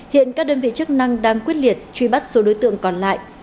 hiện các đơn vị chức năng đang quyết liệt truy bắt số đối tượng còn lại